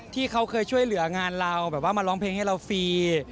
ที่เขาเคยช่วยเหลืองานเราแบบว่ามาร้องเพลงให้เราฟรี